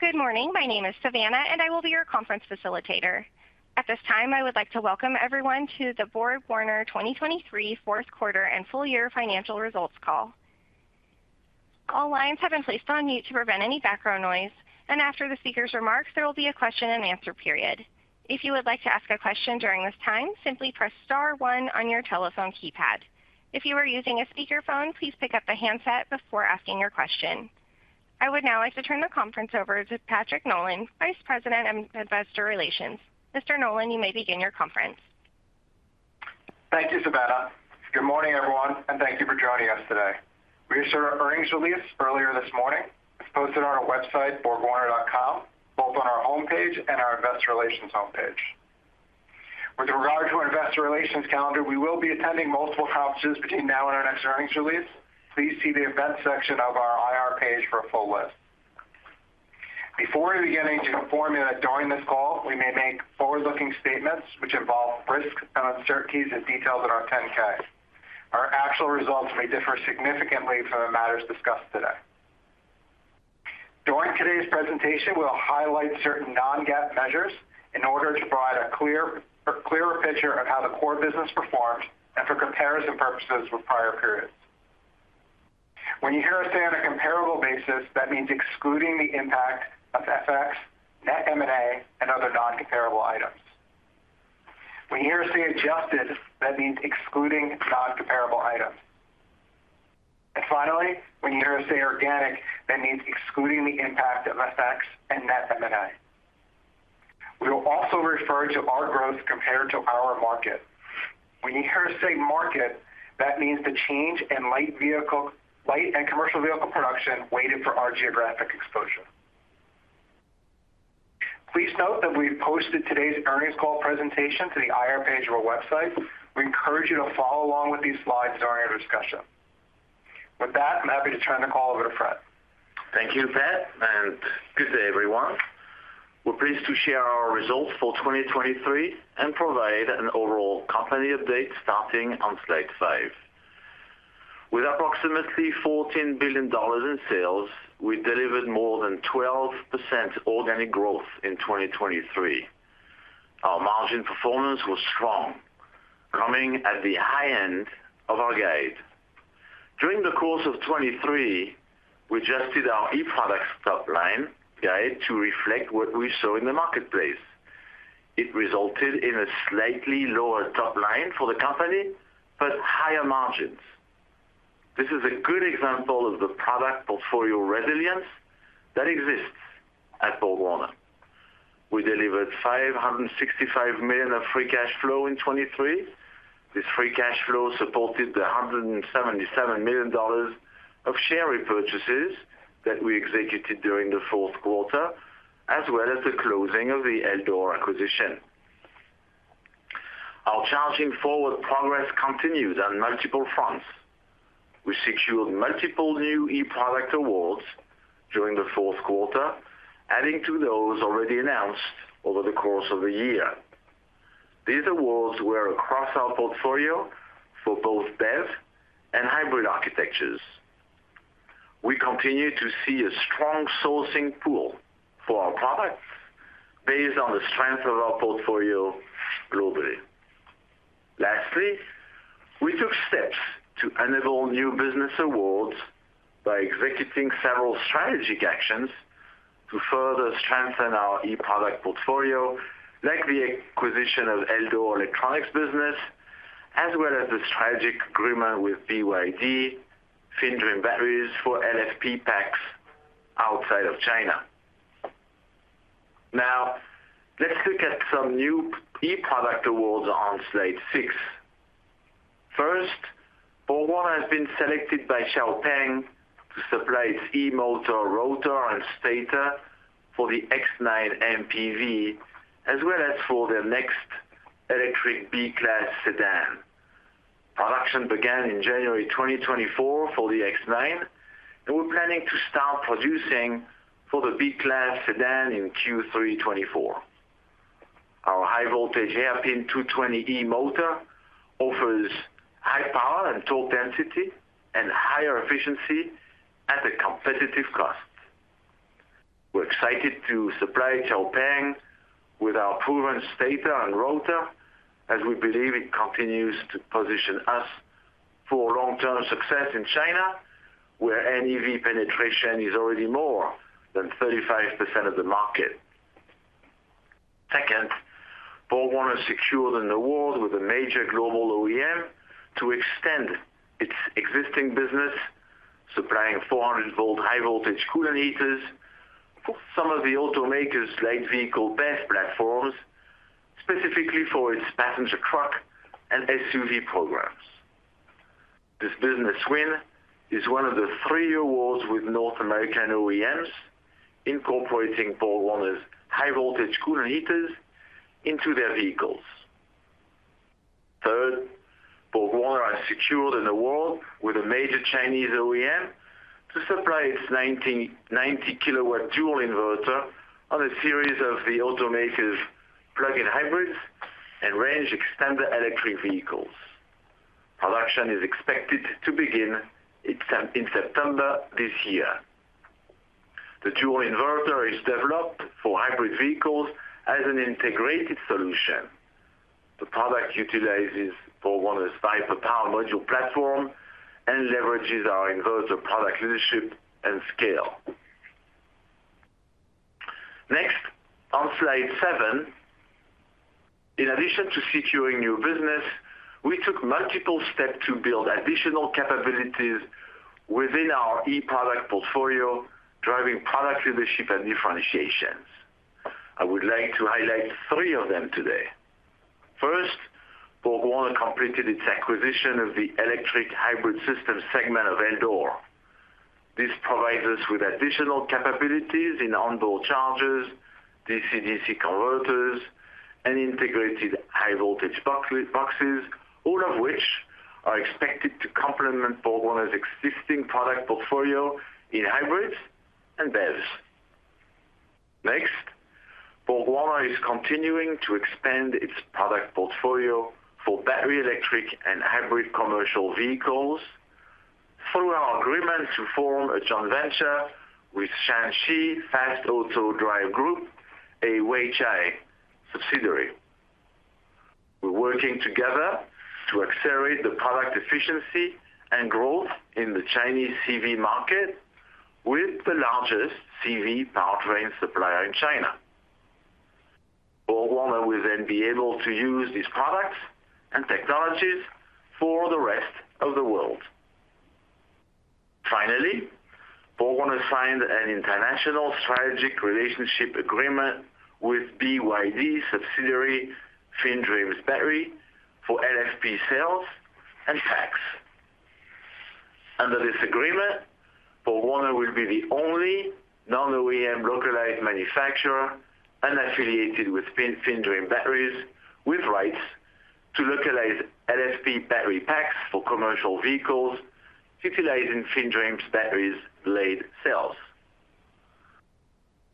Good morning. My name is Savannah, and I will be your conference facilitator. At this time, I would like to welcome everyone to the BorgWarner 2023 Fourth Quarter and Full Year Financial Results Call. All lines have been placed on mute to prevent any background noise, and after the speaker's remarks, there will be a question and answer period. If you would like to ask a question during this time, simply press star one on your telephone keypad. If you are using a speakerphone, please pick up the handset before asking your question. I would now like to turn the conference over to Patrick Nolan, Vice President of Investor Relations. Mr. Nolan, you may begin your conference. Thank you, Savannah. Good morning, everyone, and thank you for joining us today. We issued our earnings release earlier this morning. It's posted on our website, borgwarner.com, both on our homepage and our investor relations homepage. With regard to our investor relations calendar, we will be attending multiple conferences between now and our next earnings release. Please see the events section of our IR page for a full list. Before we begin, I need to inform you that during this call, we may make forward-looking statements which involve risks and uncertainties as detailed in our 10-K. Our actual results may differ significantly from the matters discussed today. During today's presentation, we'll highlight certain non-GAAP measures in order to provide a clear, a clearer picture of how the core business performs and for comparison purposes with prior periods. When you hear us say on a comparable basis, that means excluding the impact of FX, net M&A, and other non-comparable items. When you hear us say adjusted, that means excluding non-comparable items. Finally, when you hear us say organic, that means excluding the impact of FX and net M&A. We will also refer to our growth compared to our market. When you hear us say market, that means the change in light vehicle, light and commercial vehicle production weighted for our geographic exposure. Please note that we've posted today's earnings call presentation to the IR page of our website. We encourage you to follow along with these slides during our discussion. With that, I'm happy to turn the call over to Fred. Thank you, Pat, and good day, everyone. We're pleased to share our results for 2023 and provide an overall company update starting on slide 5. With approximately $14 billion in sales, we delivered more than 12% organic growth in 2023. Our margin performance was strong, coming at the high end of our guide. During the course of 2023, we adjusted our eProducts top-line guide to reflect what we saw in the marketplace. It resulted in a slightly lower top line for the company, but higher margins. This is a good example of the product portfolio resilience that exists at BorgWarner. We delivered $565 million of free cash flow in 2023. This free cash flow supported the $177 million of share repurchases that we executed during the 4th quarter, as well as the closing of the Eldor acquisition. Our Charging Forward progress continued on multiple fronts. We secured multiple new eProduct awards during the 4th quarter, adding to those already announced over the course of the year. These awards were across our portfolio for both BEV and hybrid architectures. We continue to see a strong sourcing pool for our products based on the strength of our portfolio globally. Lastly, we took steps to enable new business awards by executing several strategic actions to further strengthen our eProduct portfolio, like the acquisition of Eldor electronics business, as well as the strategic agreement with BYD, FinDreams Battery for LFP packs outside of China. Now, let's look at some new eProduct awards on slide 6. First, BorgWarner has been selected by XPeng to supply its e-motor, rotor, and stator for the X9 MPV, as well as for their next electric B-class sedan. Production began in January 2024 for the X9, and we're planning to start producing for the B-class sedan in Q3 2024. Our high-voltage Hairpin 220E motor offers high power and torque density and higher efficiency at a competitive cost. We're excited to supply XPeng with our proven stator and rotor, as we believe it continues to position us for long-term success in China, where NEV penetration is already more than 35% of the market. Second, BorgWarner secured an award with a major global OEM to extend its existing business, supplying 400-volt high-voltage cooler heaters for some of the automaker's light vehicle BEV platforms, specifically for its passenger truck and SUV programs. This business win is one of the three awards with North American OEMs incorporating BorgWarner's high-voltage cooler heaters into their vehicles. Third, BorgWarner has secured an award with a major Chinese OEM to supply its 90 kW dual inverter on a series of the automaker's plug-in hybrids and range extender electric vehicles. Production is expected to begin in September this year. The dual inverter is developed for hybrid vehicles as an integrated solution. The product utilizes BorgWarner's Viper Power Module platform and leverages our inverter product leadership and scale. Next, on slide 7. In addition to securing new business, we took multiple steps to build additional capabilities within our eProduct portfolio, driving product leadership and differentiations. I would like to highlight three of them today. First, BorgWarner completed its acquisition of the electric hybrid system segment of Eldor. This provides us with additional capabilities in onboard chargers, DC-DC converters, and integrated high-voltage boxes, all of which are expected to complement BorgWarner's existing product portfolio in hybrids and BEVs. Next, BorgWarner is continuing to expand its product portfolio for battery electric and hybrid commercial vehicles through our agreement to form a joint venture with Shaanxi Fast Auto Drive Group, a Weichai subsidiary. We're working together to accelerate the product efficiency and growth in the Chinese CV market with the largest CV powertrain supplier in China. BorgWarner will then be able to use these products and technologies for the rest of the world. Finally, BorgWarner signed an international strategic relationship agreement with BYD subsidiary, FinDreams Battery, for LFP cells and packs. Under this agreement, BorgWarner will be the only non-OEM localized manufacturer unaffiliated with FinDreams Battery, with rights to localize LFP battery packs for commercial vehicles utilizing FinDreams Battery blade cells.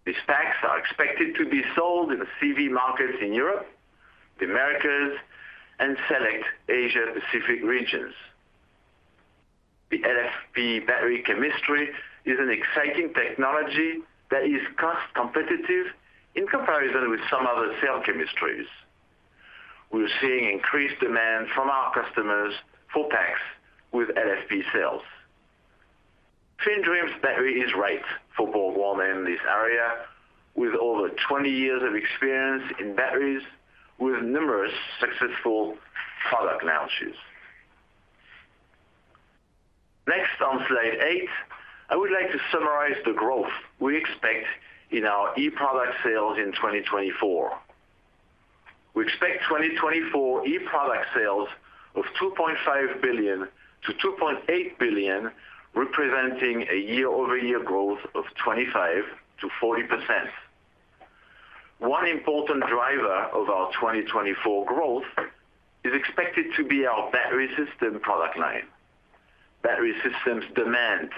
These packs are expected to be sold in the CV markets in Europe, the Americas, and select Asia-Pacific regions. The LFP battery chemistry is an exciting technology that is cost-competitive in comparison with some other cell chemistries. We're seeing increased demand from our customers for packs with LFP cells. FinDreams Battery is right for BorgWarner in this area, with over 20 years of experience in batteries, with numerous successful product launches. Next, on slide 8, I would like to summarize the growth we expect in our eProduct sales in 2024. We expect 2024 eProduct sales of $2.5 billion-$2.8 billion, representing a year-over-year growth of 25%-40%. One important driver of our 2024 growth is expected to be our battery system product line. Battery systems demand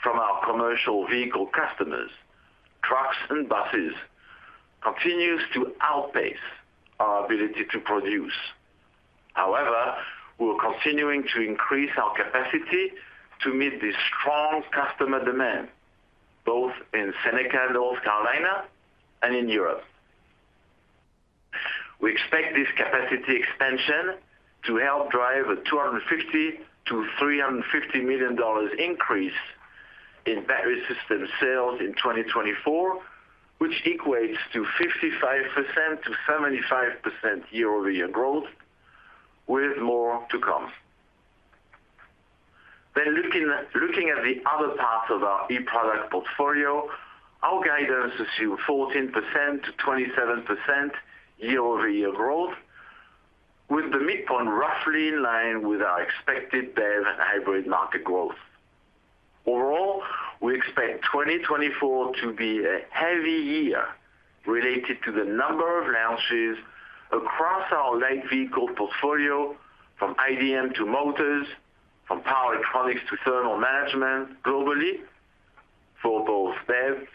from our commercial vehicle customers, trucks and buses, continues to outpace our ability to produce. However, we're continuing to increase our capacity to meet the strong customer demand, both in Seneca, South Carolina, and in Europe. We expect this capacity expansion to help drive a $250 million-$350 million increase in battery system sales in 2024, which equates to 55%-75% year-over-year growth, with more to come. Then looking at the other parts of our eProduct portfolio, our guidance is to 14%-27% year-over-year growth, with the midpoint roughly in line with our expected BEV and hybrid market growth. Overall, we expect 2024 to be a heavy year related to the number of launches across our light vehicle portfolio, from IDM to motors, from power electronics to thermal management globally for both BEVs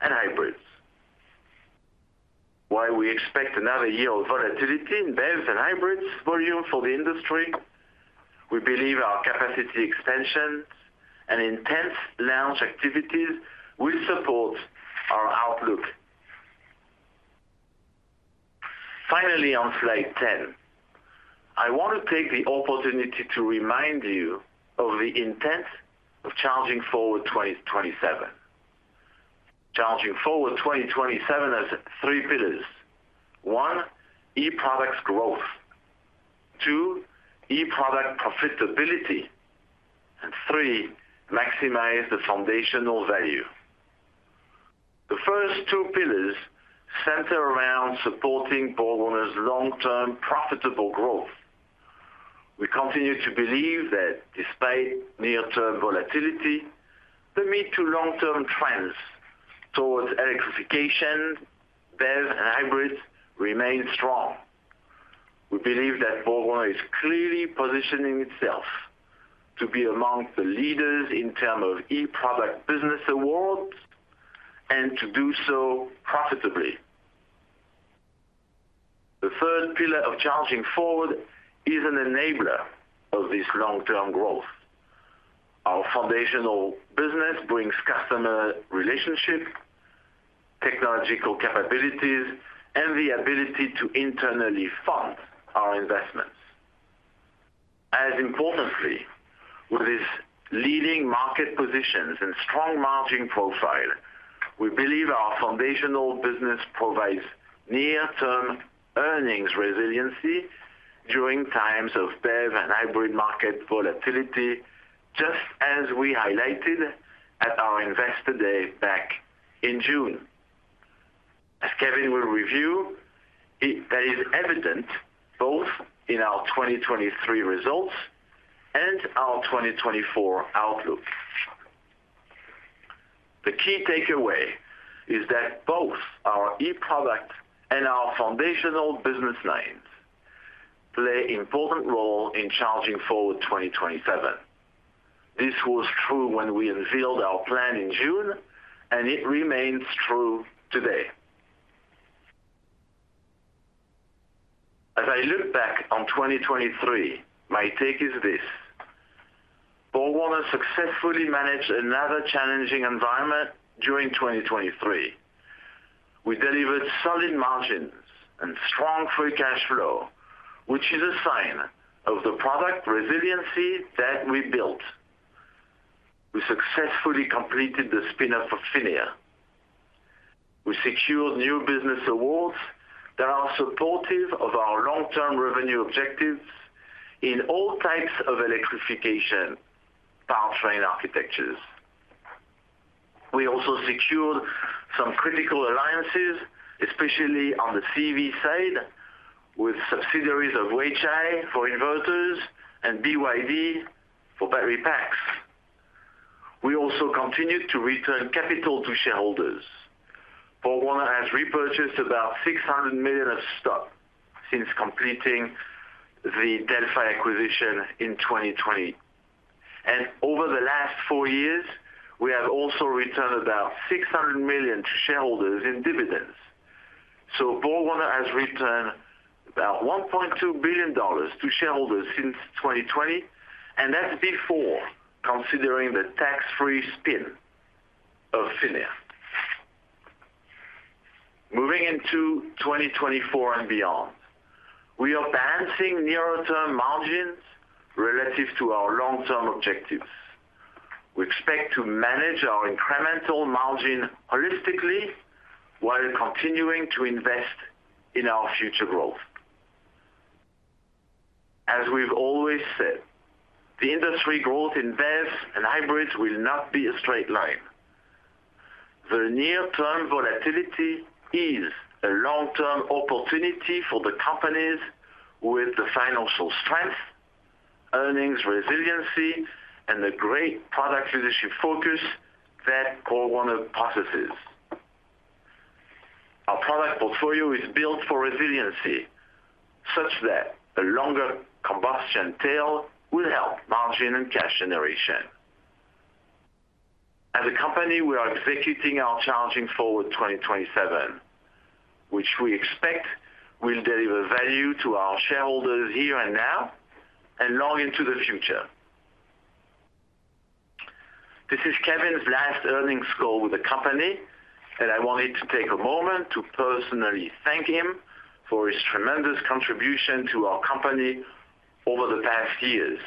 and hybrids. While we expect another year of volatility in BEVs and hybrids volume for the industry, we believe our capacity expansions and intense launch activities will support our outlook. Finally, on slide 10, I want to take the opportunity to remind you of the intent of Charging Forward 2027. Charging Forward 2027 has three pillars. One, eProducts growth. Two, eProduct profitability, and three, maximize the foundational value. The first two pillars center around supporting BorgWarner's long-term profitable growth. We continue to believe that despite near-term volatility, the mid to long-term trends towards electrification, BEV and hybrids remain strong. We believe that BorgWarner is clearly positioning itself to be among the leaders in terms of eProduct business awards and to do so profitably. The third pillar of Charging Forward is an enabler of this long-term growth. Our foundational business brings customer relationship, technological capabilities, and the ability to internally fund our investments. As importantly, with its leading market positions and strong margin profile, we believe our foundational business provides near-term earnings resiliency during times of BEV and hybrid market volatility, just as we highlighted at our Investor Day back in June. As Kevin will review, that is evident both in our 2023 results and our 2024 outlook. The key takeaway is that both our eProduct and our foundational business lines play important role in Charging Forward 2027. This was true when we unveiled our plan in June, and it remains true today. As I look back on 2023, my take is this: BorgWarner successfully managed another challenging environment during 2023. We delivered solid margins and strong free cash flow, which is a sign of the product resiliency that we built. We successfully completed the spin-off of PHINIA. We secured new business awards that are supportive of our long-term revenue objectives in all types of electrification powertrain architectures. We also secured some critical alliances, especially on the CV side, with subsidiaries of Weichai for inverters and BYD for battery packs. We also continued to return capital to shareholders. BorgWarner has repurchased about $600 million of stock since completing the Delphi acquisition in 2020. Over the last four years, we have also returned about $600 million to shareholders in dividends. BorgWarner has returned about $1.2 billion to shareholders since 2020, and that's before considering the tax-free spin-off of PHINIA. Moving into 2024 and beyond, we are balancing nearer-term margins relative to our long-term objectives. We expect to manage our incremental margin holistically while continuing to invest in our future growth. As we've always said, the industry growth in BEVs and hybrids will not be a straight line. The near-term volatility is a long-term opportunity for the companies with the financial strength, earnings resiliency, and a great product leadership focus that BorgWarner possesses. Our product portfolio is built for resiliency, such that a longer combustion tail will help margin and cash generation. As a company, we are executing our Charging Forward 2027, which we expect will deliver value to our shareholders here and now, and long into the future. This is Kevin's last earnings call with the company, and I wanted to take a moment to personally thank him for his tremendous contribution to our company over the past years.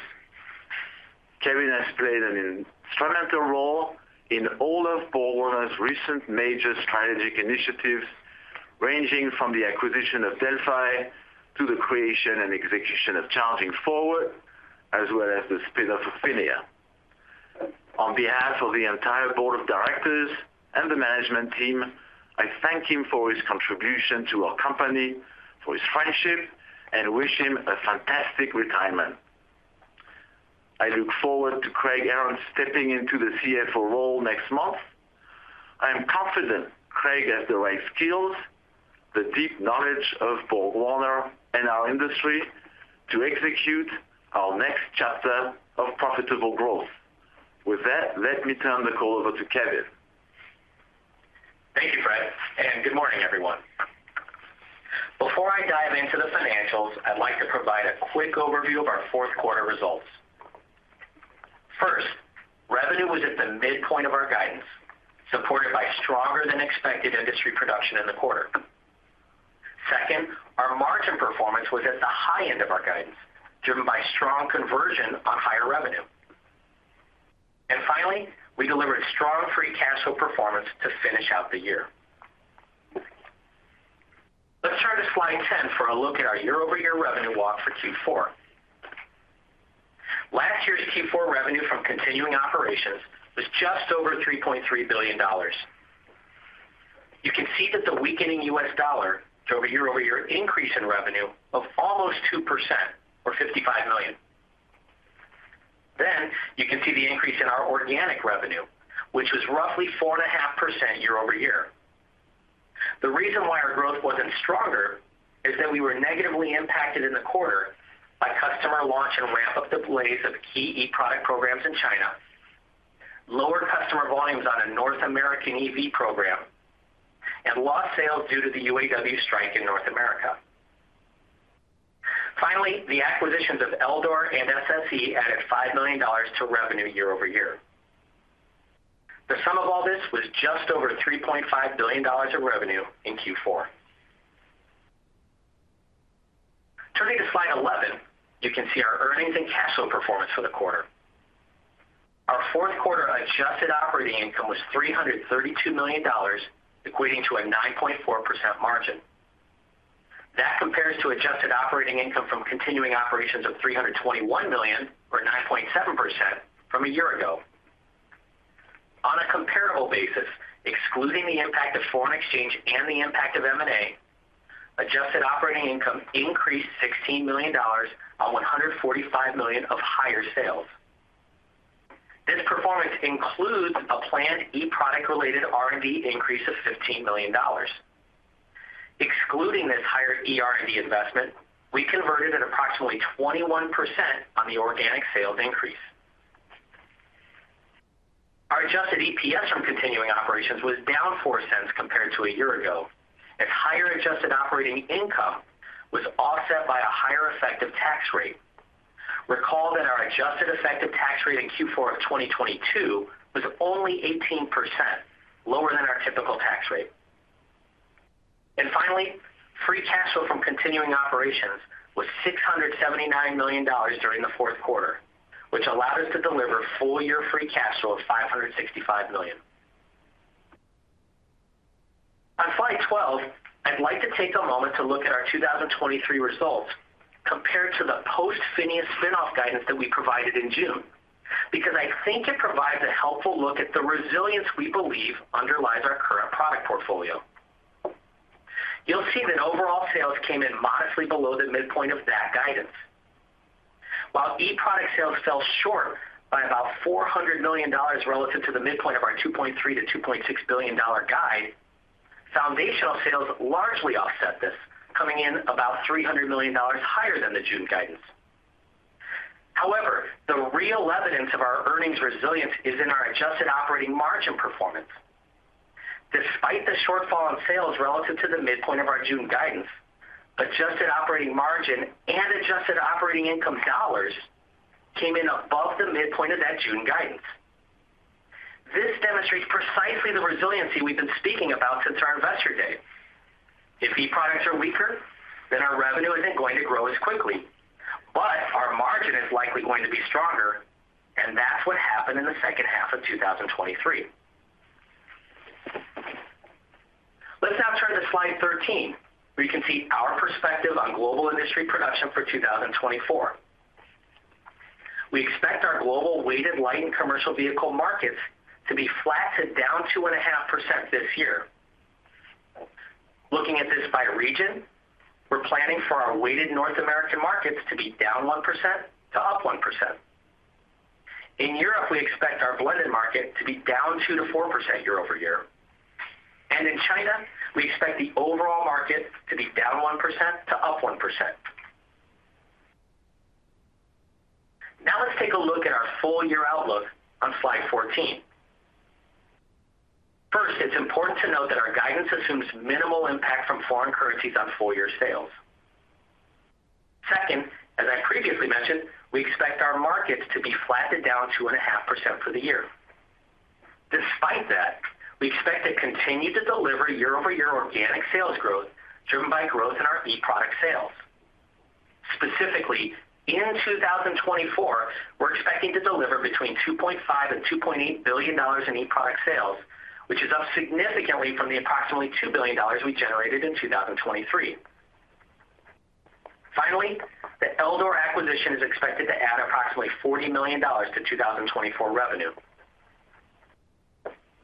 Kevin has played an instrumental role in all of BorgWarner's recent major strategic initiatives, ranging from the acquisition of Delphi to the creation and execution of Charging Forward, as well as the spin-off of PHINIA. On behalf of the entire board of directors and the management team, I thank him for his contribution to our company, for his friendship, and wish him a fantastic retirement. I look forward to Craig Aaron stepping into the CFO role next month. I am confident Craig has the right skills, the deep knowledge of BorgWarner and our industry, to execute our next chapter of profitable growth. With that, let me turn the call over to Kevin. Thank you, Fred, and good morning, everyone. Before I dive into the financials, I'd like to provide a quick overview of our 4th quarter results. First, revenue was at the midpoint of our guidance, supported by stronger than expected industry production in the quarter. Second, our margin performance was at the high end of our guidance, driven by strong conversion on higher revenue. And finally, we delivered strong free cash flow performance to finish out the year. Let's turn to slide 10 for a look at our year-over-year revenue walk for Q4. Last year's Q4 revenue from continuing operations was just over $3.3 billion. You can see that the weakening U.S. dollar to over year-over-year increase in revenue of almost 2% or $55 million. Then you can see the increase in our organic revenue, which was roughly 4.5% year-over-year. The reason why our growth wasn't stronger is that we were negatively impacted in the quarter by customer launch and ramp-up delays of key eProduct programs in China. Lower customer volumes on a North American EV program and lost sales due to the UAW strike in North America. Finally, the acquisitions of Eldor and SSE added $5 million to revenue year-over-year. The sum of all this was just over $3.5 billion of revenue in Q4. Turning to slide 11, you can see our earnings and cash flow performance for the quarter. Our 4th quarter adjusted operating income was $332 million, equating to a 9.4% margin. That compares to adjusted operating income from continuing operations of $321 million, or 9.7% from a year ago. On a comparable basis, excluding the impact of foreign exchange and the impact of M&A, adjusted operating income increased $16 million on $145 million of higher sales. This performance includes a planned eProduct related R&D increase of $15 million. Excluding this higher ER&D investment, we converted at approximately 21% on the organic sales increase. Our adjusted EPS from continuing operations was down $0.04 compared to a year ago, as higher adjusted operating income was offset by a higher effective tax rate. Recall that our adjusted effective tax rate in Q4 of 2022 was only 18%, lower than our typical tax rate. And finally, free cash flow from continuing operations was $679 million during the 4th quarter, which allowed us to deliver full-year free cash flow of $565 million. On slide 12, I'd like to take a moment to look at our 2023 results compared to the post PHINIA spin-off guidance that we provided in June, because I think it provides a helpful look at the resilience we believe underlies our current product portfolio. You'll see that overall sales came in modestly below the midpoint of that guidance. While eProduct sales fell short by about $400 million relative to the midpoint of our $2.3 billion-$2.6 billion guide, foundational sales largely offset this, coming in about $300 million higher than the June guidance. However, the real evidence of our earnings resilience is in our adjusted operating margin performance. Despite the shortfall in sales relative to the midpoint of our June guidance, adjusted operating margin and adjusted operating income dollars came in above the midpoint of that June guidance. This demonstrates precisely the resiliency we've been speaking about since our Investor Day. If eProducts are weaker, then our revenue isn't going to grow as quickly, but our margin is likely going to be stronger, and that's what happened in the second half of 2023. Let's now turn to slide 13, where you can see our perspective on global industry production for 2024. We expect our global weighted light and commercial vehicle markets to be flat to down 2.5% this year. Looking at this by region, we're planning for our weighted North American markets to be down 1% to up 1%. In Europe, we expect our blended market to be down 2%-4% year-over-year. In China, we expect the overall market to be down 1% to up 1%. Now let's take a look at our full year outlook on slide 14. First, it's important to note that our guidance assumes minimal impact from foreign currencies on full year sales. Second, as I previously mentioned, we expect our markets to be flat to down 2.5% for the year. Despite that, we expect to continue to deliver year-over-year organic sales growth, driven by growth in our eProduct sales. Specifically, in 2024, we're expecting to deliver between $2.5 billion and $2.8 billion in eProduct sales, which is up significantly from the approximately $2 billion we generated in 2023. Finally, the Eldor acquisition is expected to add approximately $40 million to 2024 revenue.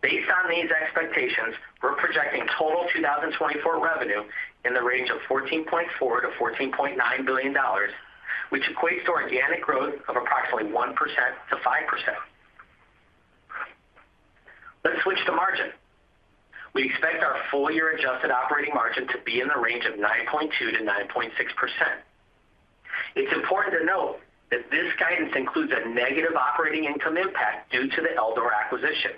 Based on these expectations, we're projecting total 2024 revenue in the range of $14.4 billion-$14.9 billion, which equates to organic growth of approximately 1%-5%. Let's switch to margin. We expect our full year adjusted operating margin to be in the range of 9.2%-9.6%. It's important to note that this guidance includes a negative operating income impact due to the Eldor acquisition.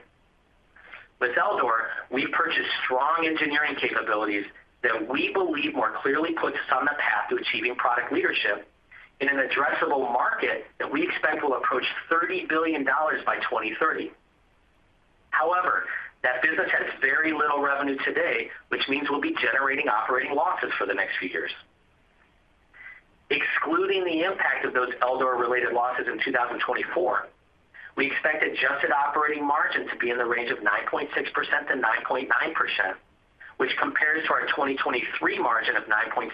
With Eldor, we purchased strong engineering capabilities that we believe more clearly puts us on the path to achieving product leadership in an addressable market that we expect will approach $30 billion by 2030. However, that business has very little revenue today, which means we'll be generating operating losses for the next few years. Excluding the impact of those Eldor-related losses in 2024, we expect adjusted operating margin to be in the range of 9.6%-9.9%, which compares to our 2023 margin of 9.6%.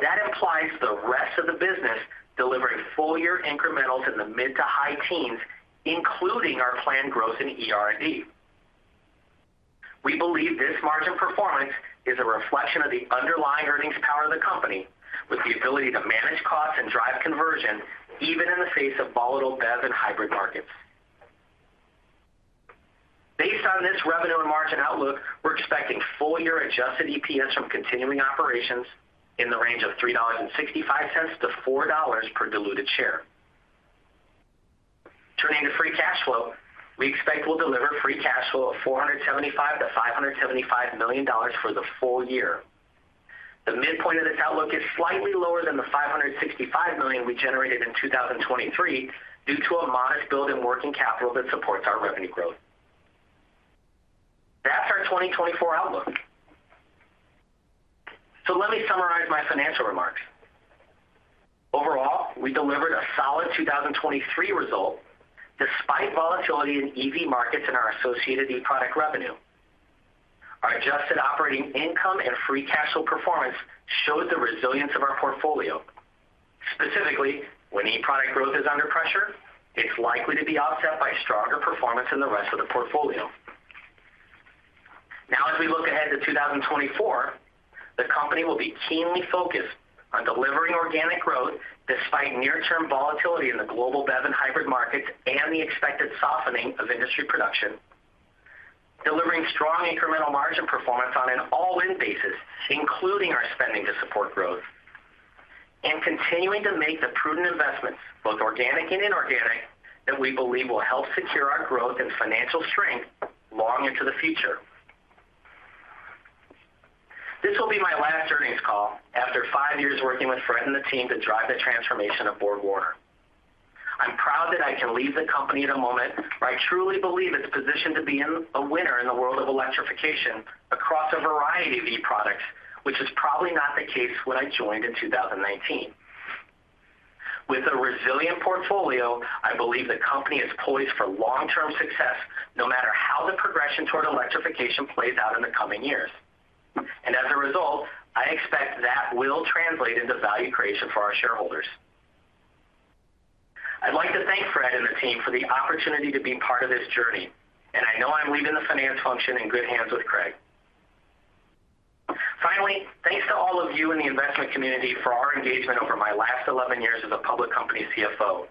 That implies the rest of the business delivering full year incrementals in the mid to high teens, including our planned growth in ER&D. We believe this margin performance is a reflection of the underlying earnings power of the company, with the ability to manage costs and drive conversion even in the face of volatile BEV and hybrid markets. Based on this revenue and margin outlook, we're expecting full year adjusted EPS from continuing operations in the range of $3.65-$4 per diluted share. Turning to free cash flow, we expect we'll deliver free cash flow of $475 million-$575 million for the full year. The midpoint of this outlook is slightly lower than the $565 million we generated in 2023, due to a modest build in working capital that supports our revenue growth. That's our 2024 outlook. So let me summarize my financial remarks. Overall, we delivered a solid 2023 result despite volatility in EV markets and our associated eProduct revenue. Our adjusted operating income and free cash flow performance showed the resilience of our portfolio. Specifically, when eProduct growth is under pressure, it's likely to be offset by stronger performance in the rest of the portfolio. Now, as we look ahead to 2024, the company will be keenly focused on delivering organic growth despite near-term volatility in the global BEV and hybrid markets and the expected softening of industry production, delivering strong incremental margin performance on an all-in basis, including our spending to support growth, and continuing to make the prudent investments, both organic and inorganic, that we believe will help secure our growth and financial strength long into the future. This will be my last earnings call after five years working with Fred and the team to drive the transformation of BorgWarner. I'm proud that I can leave the company at a moment where I truly believe it's positioned to be a winner in the world of electrification across a variety of eProducts, which is probably not the case when I joined in 2019. With a resilient portfolio, I believe the company is poised for long-term success, no matter how the progression toward electrification plays out in the coming years. As a result, I expect that will translate into value creation for our shareholders. I'd like to thank Fred and the team for the opportunity to be part of this journey, and I know I'm leaving the finance function in good hands with Craig. Finally, thanks to all of you in the investment community for our engagement over my last 11 years as a public company CFO.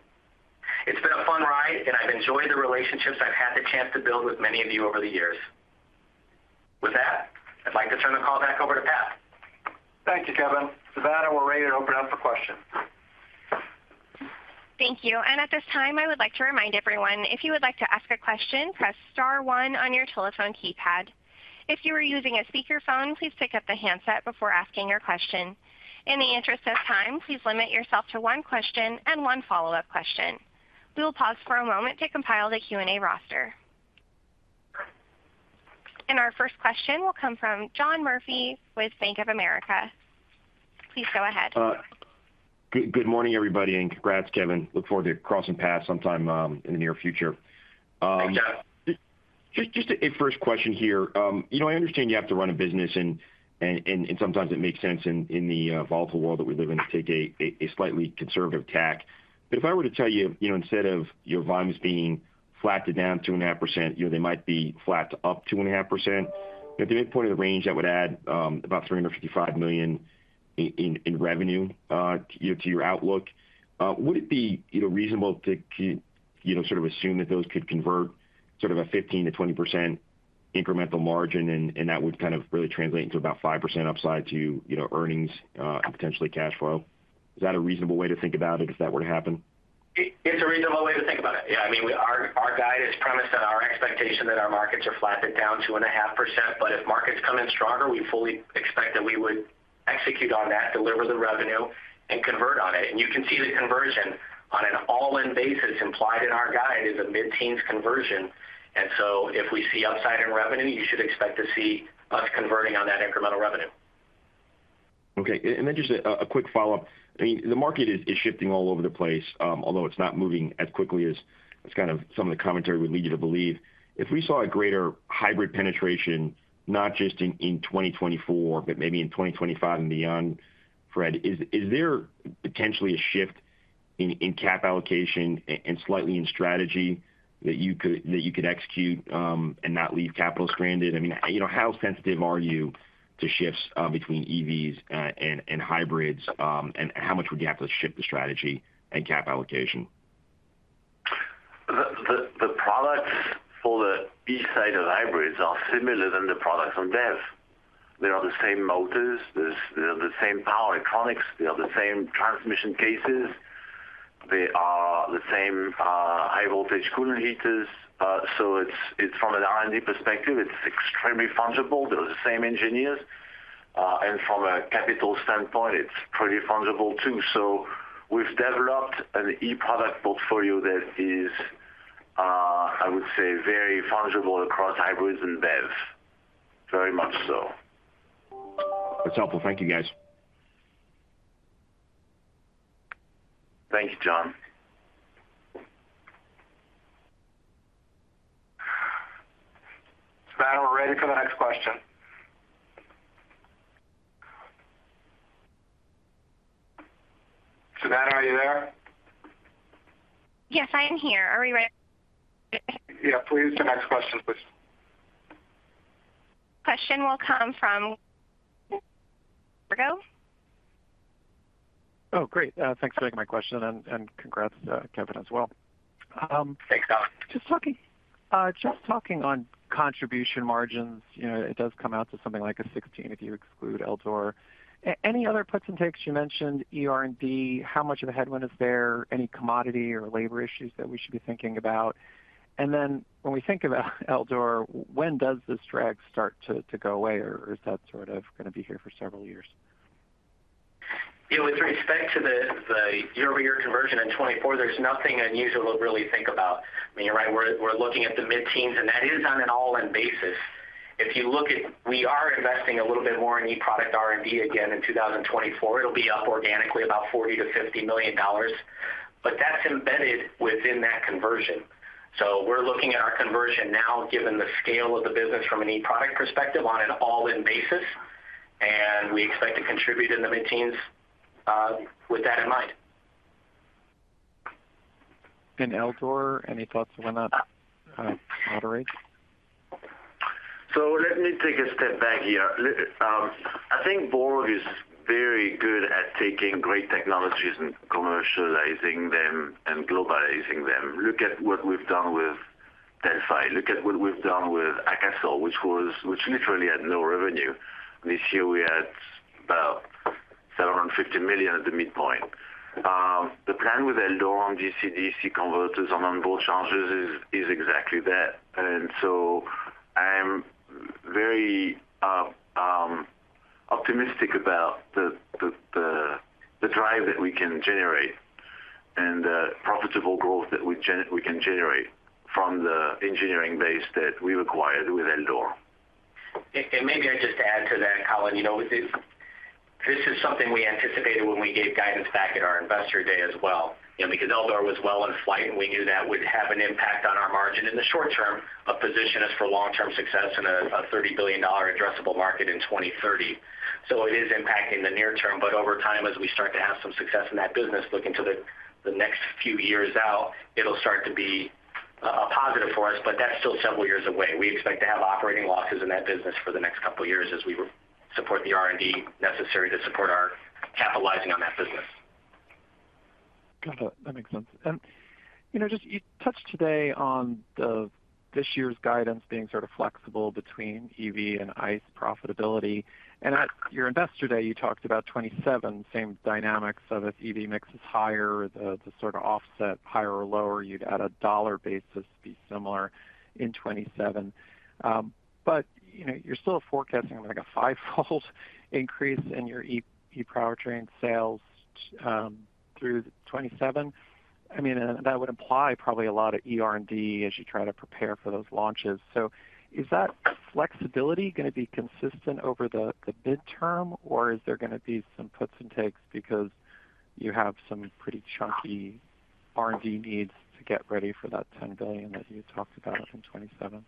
It's been a fun ride, and I've enjoyed the relationships I've had the chance to build with many of you over the years. With that, I'd like to turn the call back over to Pat. Thank you, Kevin. Savannah, we're ready to open up for questions. Thank you. At this time, I would like to remind everyone, if you would like to ask a question, press star one on your telephone keypad. If you are using a speakerphone, please pick up the handset before asking your question. In the interest of time, please limit yourself to one question and one follow-up question. We will pause for a moment to compile the Q&A roster. Our first question will come from John Murphy with Bank of America. Please go ahead. Good morning, everybody, and congrats, Kevin. Look forward to crossing paths sometime in the near future. Thanks, John. Just a first question here. You know, I understand you have to run a business and sometimes it makes sense in the volatile world that we live in to take a slightly conservative tack. But if I were to tell you, you know, instead of your volumes being flat to down 2.5%, you know, they might be flat to up 2.5%, at the midpoint of the range, that would add about $355 million in revenue to your outlook. Would it be, you know, reasonable to you know, sort of assume that those could convert sort of a 15%-20% incremental margin, and that would kind of really translate into about 5% upside to, you know, earnings, and potentially cash flow? Is that a reasonable way to think about it if that were to happen? It's a reasonable way to think about it. Yeah, I mean, we—our guide is premised on our expectation that our markets are flat to down 2.5%, but if markets come in stronger, we fully expect that we would execute on that, deliver the revenue, and convert on it. And you can see the conversion on an all-in basis implied in our guide is a mid-teens conversion. And so if we see upside in revenue, you should expect to see us converting on that incremental revenue. Okay, and then just a quick follow-up. I mean, the market is shifting all over the place, although it's not moving as quickly as kind of some of the commentary would lead you to believe. If we saw a greater hybrid penetration, not just in 2024, but maybe in 2025 and beyond, Fred, is there potentially a shift in cap allocation and slightly in strategy that you could execute, and not leave capital stranded? I mean, you know, how sensitive are you to shifts between EVs and hybrids, and how much would you have to shift the strategy and cap allocation? The products for the E side of the hybrids are similar than the products on BEV. They are the same motors, they are the same power electronics. They are the same transmission cases. They are the same high-voltage cooler heaters. So it's from an R&D perspective, it's extremely fungible. They're the same engineers, and from a capital standpoint, it's pretty fungible too. So we've developed an eProduct portfolio that is, I would say, very fungible across hybrids and BEVs. Very much so. That's helpful. Thank you, guys. Thank you, John. Savannah, we're ready for the next question. Savannah, are you there? Yes, I am here. Are we ready? Yeah, please, the next question, please. Question will come from Colin Langan of Wells Fargo. Oh, great. Thanks for taking my question, and, and congrats to Kevin as well. Thanks, Colin. Just talking on contribution margins, you know, it does come out to something like a 16 if you exclude Eldor. Any other puts and takes? You mentioned ER&D. How much of a headwind is there? Any commodity or labor issues that we should be thinking about? And then when we think about Eldor, when does this drag start to go away, or is that sort of gonna be here for several years? Yeah, with respect to the year-over-year conversion in 2024, there's nothing unusual to really think about. I mean, right, we're looking at the mid-teens, and that is on an all-in basis. If you look at - we are investing a little bit more in eProduct R&D again in 2024. It'll be up organically about $40 million-$50 million, but that's embedded within that conversion. So we're looking at our conversion now, given the scale of the business from an eProduct perspective on an all-in basis, and we expect to contribute in the mid-teens with that in mind. Eldor, any thoughts on that, moderate? So let me take a step back here. I think Borg is very good at taking great technologies and commercializing them and globalizing them. Look at what we've done with Delphi. Look at what we've done with Akasol, which literally had no revenue. This year, we had about around $50 million at the midpoint. The plan with Eldor on DC-DC converters and on board chargers is exactly that. And so I am very optimistic about the drive that we can generate and profitable growth that we can generate from the engineering base that we acquired with Eldor. Maybe I just add to that, Colin, you know, this is something we anticipated when we gave guidance back at our Investor Day as well, you know, because Eldor was well in flight, and we knew that would have an impact on our margin in the short term, but position us for long-term success in a $30 billion addressable market in 2030. So it is impacting the near term, but over time, as we start to have some success in that business, look into the next few years out, it'll start to be a positive for us, but that's still several years away. We expect to have operating losses in that business for the next couple of years as we support the R&D necessary to support our capitalizing on that business. Got it. That makes sense. And, you know, just you touched today on the this year's guidance being sort of flexible between EV and ICE profitability. And at your Investor Day, you talked about 2027, same dynamics of if EV mix is higher, the, to sort of offset higher or lower, you'd, at a dollar basis, be similar in 2027. But, you know, you're still forecasting, like, a fivefold increase in your e-powertrain sales, through 2027. I mean, and that would imply probably a lot of ER&D as you try to prepare for those launches. So is that flexibility gonna be consistent over the, the midterm, or is there gonna be some puts and takes because you have some pretty chunky R&D needs to get ready for that $10 billion that you talked about in 2027?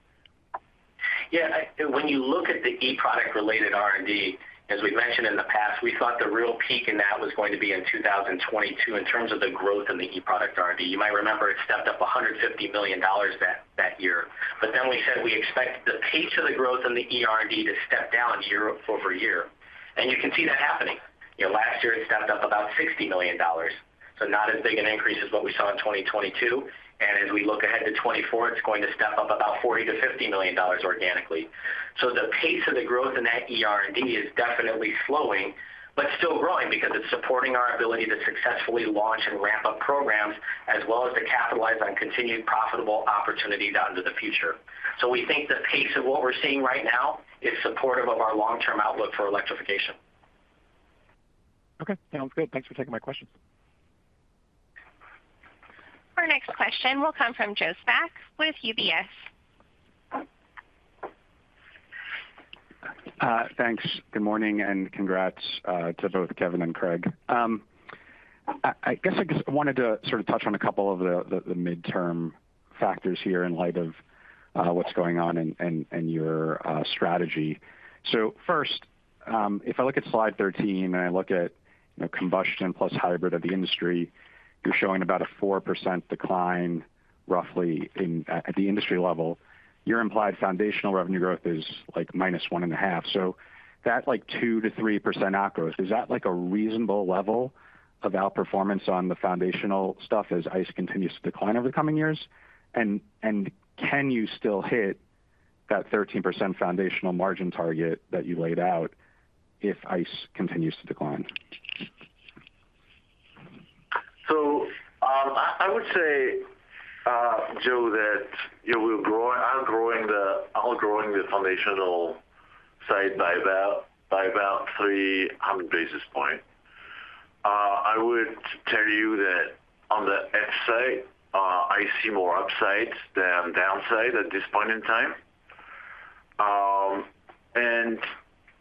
Yeah, when you look at the eProduct related R&D, as we mentioned in the past, we thought the real peak in that was going to be in 2022 in terms of the growth in the eProduct R&D. You might remember it stepped up $150 million that year. But then we said we expect the pace of the growth in the ER&D to step down year-over-year. And you can see that happening. You know, last year, it stepped up about $60 million, so not as big an increase as what we saw in 2022. And as we look ahead to 2024, it's going to step up about $40 million-$50 million organically. So the pace of the growth in that ER&D is definitely slowing, but still growing because it's supporting our ability to successfully launch and ramp up programs, as well as to capitalize on continued profitable opportunities out into the future. So we think the pace of what we're seeing right now is supportive of our long-term outlook for electrification. Okay, sounds great. Thanks for taking my questions. Our next question will come from Joe Spak with UBS. Thanks. Good morning, and congrats to both Kevin and Craig. I guess I just wanted to sort of touch on a couple of the midterm factors here in light of what's going on and your strategy. So first, if I look at slide 13, and I look at, you know, combustion plus hybrid of the industry, you're showing about a 4% decline, roughly, at the industry level. Your implied foundational revenue growth is, like, -1.5. So that, like, 2%-3% outgrowth, is that, like, a reasonable level of outperformance on the foundational stuff as ICE continues to decline over the coming years? And can you still hit that 13% foundational margin target that you laid out if ICE continues to decline? So, I would say, Joe, that, you know, we're outgrowing the foundational side by about 300 basis points. I would tell you that on the X-side, I see more upside than downside at this point in time. And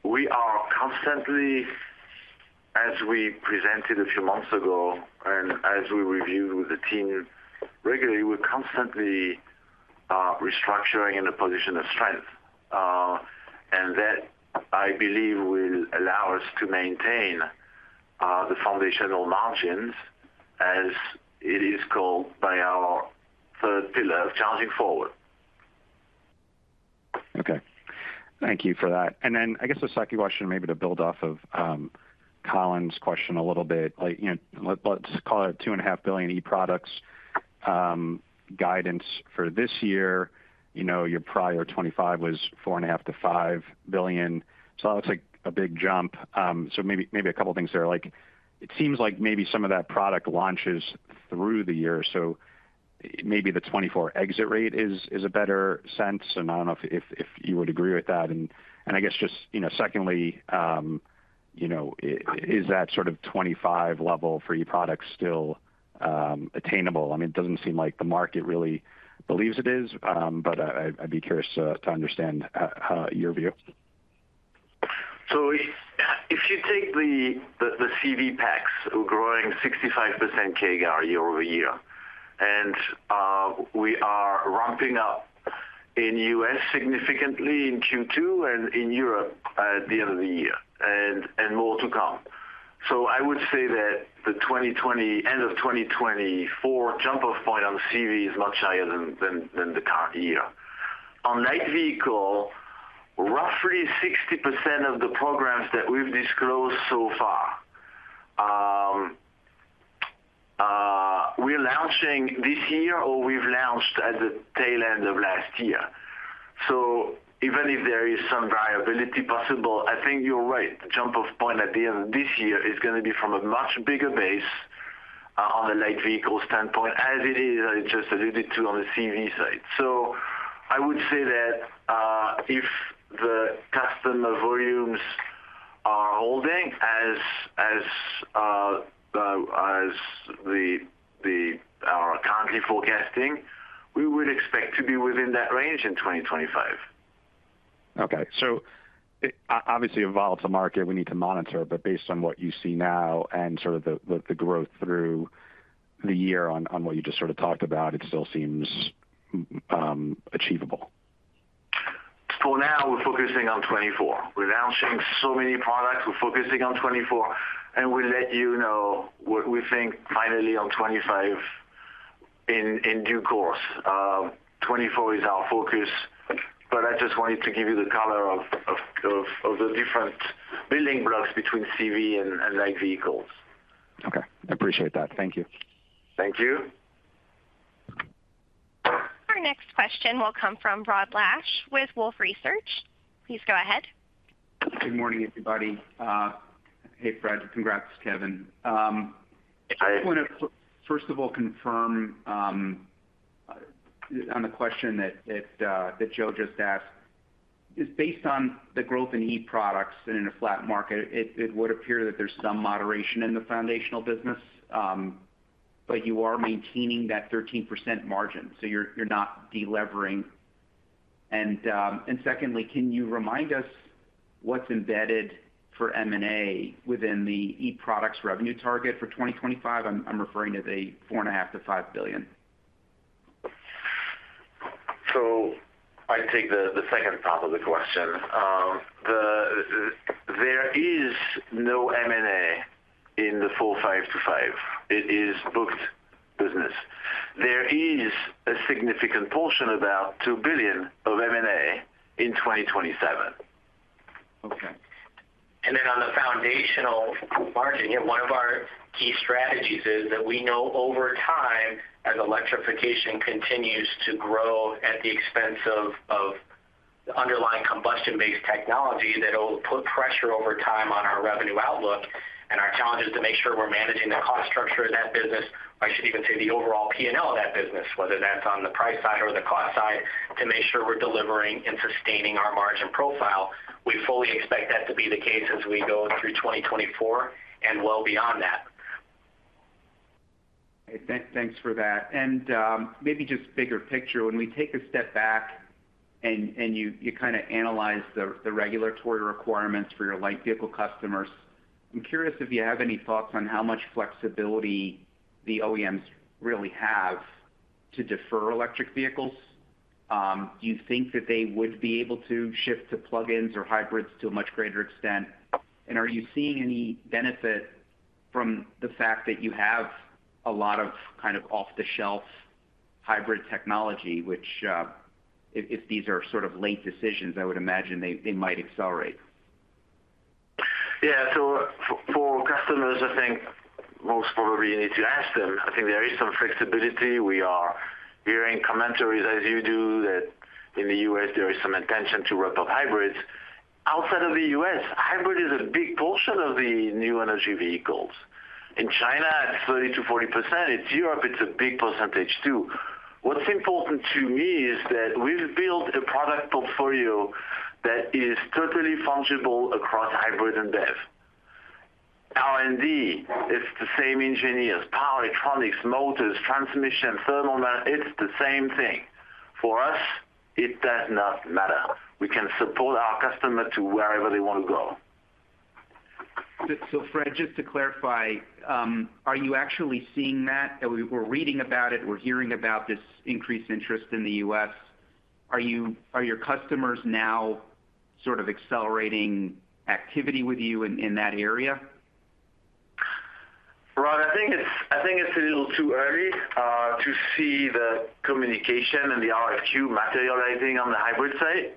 we are constantly, as we presented a few months ago, and as we review the team regularly, we're constantly restructuring in a position of strength. And that, I believe, will allow us to maintain the foundational margins as it is called by our third pillar of Charging Forward. Okay. Thank you for that. Then I guess the second question, maybe to build off of, Colin's question a little bit. Like, you know, let's call it $2.5 billion eProducts, guidance for this year. You know, your prior 2025 was $4.5 billion-$5 billion, so that looks like a big jump. So maybe, maybe a couple of things there. Like, it seems like maybe some of that product launches through the year, so maybe the 2024 exit rate is, is a better sense, and I don't know if, if, if you would agree with that. And, and I guess just, you know, secondly, you know, is that sort of 2025 level for eProducts still, attainable? I mean, it doesn't seem like the market really believes it is, but I'd be curious to understand your view. So if you take the CV packs, we're growing 65% CAGR year-over-year, and we are ramping up in U.S. significantly in Q2 and in Europe at the end of the year, and more to come. So I would say that the end of 2024 jump-off point on CV is much higher than the current year. On light vehicle, roughly 60% of the programs that we've disclosed so far, we're launching this year or we've launched at the tail end of last year. So even if there is some variability possible, I think you're right. The jump-off point at the end of this year is gonna be from a much bigger base on the light vehicle standpoint, as it is, I just alluded to on the CV side. So, I would say that if the customer volumes are holding as they are currently forecasting, we would expect to be within that range in 2025. Okay, so obviously, a volatile market we need to monitor, but based on what you see now and sort of the growth through the year on what you just sort of talked about, it still seems achievable. For now, we're focusing on 24. We're launching so many products, we're focusing on 24, and we'll let you know what we think finally on 25 in due course. 24 is our focus, but I just wanted to give you the color of the different building blocks between CV and light vehicles. Okay, I appreciate that. Thank you. Thank you. Our next question will come from Rod Lache with Wolfe Research. Please go ahead. Good morning, everybody. Hey, Fred. Congrats, Kevin. I want to first of all confirm on the question that Joe just asked, is based on the growth in eProducts and in a flat market, it would appear that there's some moderation in the foundational business, but you are maintaining that 13% margin, so you're not delevering. And secondly, can you remind us what's embedded for M&A within the eProducts revenue target for 2025? I'm referring to the $4.5 billion-$5 billion. So I take the second part of the question. There is no M&A in the $4.5 billion-$5 billion. It is booked business. There is a significant portion, about $2 billion, of M&A in 2027. Okay. And then on the foundational margin, one of our key strategies is that we know over time, as electrification continues to grow at the expense of underlying combustion-based technology, that it'll put pressure over time on our revenue outlook. And our challenge is to make sure we're managing the cost structure of that business, I should even say, the overall P&L of that business, whether that's on the price side or the cost side, to make sure we're delivering and sustaining our margin profile. We fully expect that to be the case as we go through 2024 and well beyond that. Thanks, thanks for that. Maybe just bigger picture, when we take a step back and you kinda analyze the regulatory requirements for your light vehicle customers, I'm curious if you have any thoughts on how much flexibility the OEMs really have to defer electric vehicles. Do you think that they would be able to shift to plug-ins or hybrids to a much greater extent? And are you seeing any benefit from the fact that you have a lot of kind of off-the-shelf hybrid technology, which if these are sort of late decisions, I would imagine they might accelerate. Yeah. So for, for customers, I think most probably you need to ask them. I think there is some flexibility. We are hearing commentaries, as you do, that in the U.S., there is some intention to ramp up hybrids. Outside of the U.S., hybrid is a big portion of the new energy vehicles. In China, it's 30%-40%. In Europe, it's a big percentage, too. What's important to me is that we've built a product portfolio that is totally fungible across hybrid and BEV. R&D, it's the same engineers, power, electronics, motors, transmission, thermal management, it's the same thing. For us, it does not matter. We can support our customer to wherever they want to go. Fred, just to clarify, are you actually seeing that? We're reading about it, we're hearing about this increased interest in the U.S. Are your customers now sort of accelerating activity with you in that area? I think it's a little too early to see the communication and the RFQ materializing on the hybrid side.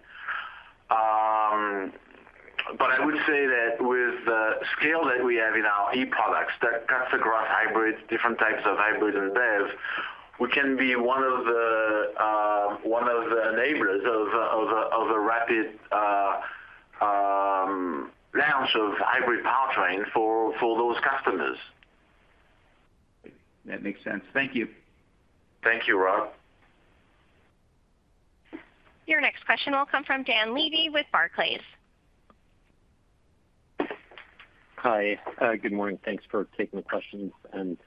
But I would say that with the scale that we have in our eProducts, that cuts across hybrids, different types of hybrids and BEVs, we can be one of the enablers of a rapid launch of hybrid powertrain for those customers. That makes sense. Thank you. Thank you, Rob. Your next question will come from Dan Levy with Barclays. Hi. Good morning. Thanks for taking the questions, and